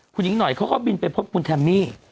คุณหญิงหน่อยเขาก็บินไปพบคุณแทมมี่